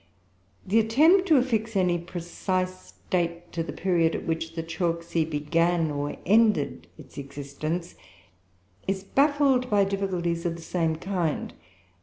The attempt to affix any precise date to the period at which the chalk sea began, or ended, its existence, is baffled by difficulties of the same kind.